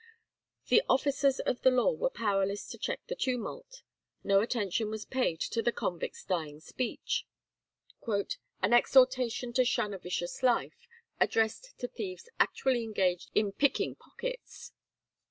The officers of the law were powerless to check the tumult; no attention was paid to the convict's dying speech—"an exhortation to shun a vicious life, addressed to thieves actually engaged in picking pockets."